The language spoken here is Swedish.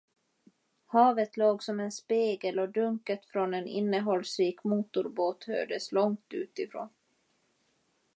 Havet låg som en spegel och dunket från en innehållsrik motorbåt hördes långt utifrån.